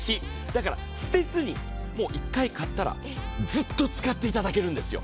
だから捨てずに、１回買ったら、ずっと使っていただけるんですよ。